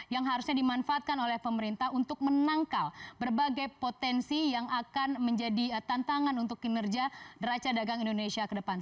yang harusnya dimanfaatkan oleh pemerintah untuk menangkal berbagai potensi yang akan menjadi tantangan untuk kinerja deraja dagang indonesia ke depan